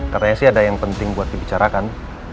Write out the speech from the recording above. katanya sih ada yang penting buat dibicarakan